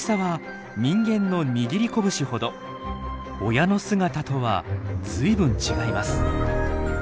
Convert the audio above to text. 親の姿とは随分違います。